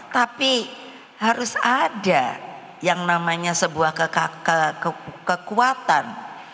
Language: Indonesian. tapi harus ada yang namanya sebuah kekuatan